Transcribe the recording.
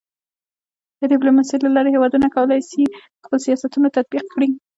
د ډيپلوماسۍ له لارې هېوادونه کولی سي خپل سیاستونه تطبیق کړي.